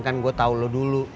kan gue tau lo dulu